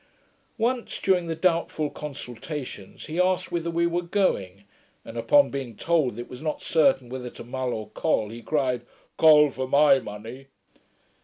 ] Once, during the doubtful consultations, he asked whither we were going; and upon being told that it was not certain whether to Mull or Col, he cried, 'Col for my money!'